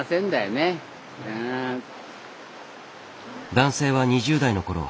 男性は２０代のころ